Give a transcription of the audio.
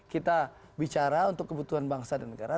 kita bicara untuk kebutuhan bangsa dan negara